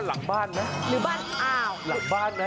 หลังบ้านไหมหรือบ้านข้าง